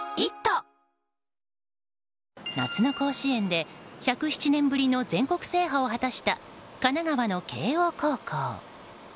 夏の甲子園で１０７年ぶりの全国制覇を果たした神奈川の慶應高校。